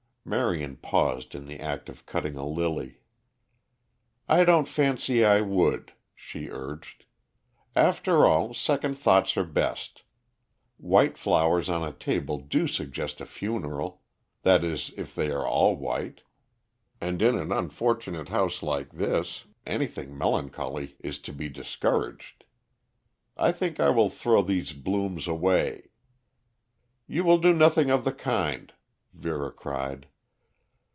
Marion paused in the act of cutting a lily. "I don't fancy I would," she urged. "After all, second thoughts are best. White flowers on a table do suggest a funeral, that is if they are all white. And in an unfortunate house like this anything melancholy is to be discouraged. I think I will throw these blooms away " "You will do nothing of the kind," Vera cried.